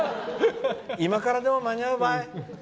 今からでも間に合うばい。